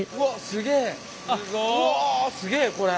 すげえこれ。